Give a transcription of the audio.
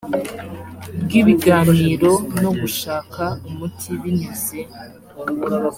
bw ibiganiro no gushaka umuti binyuze